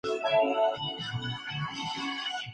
En esta versión predomina la importancia de las figuras.